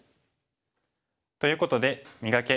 ということで「磨け！